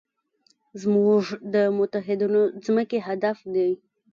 زموږ د متحدینو ځمکې هدف دی.